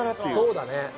そうだね。